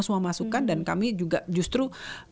semua masukan dan kami juga justru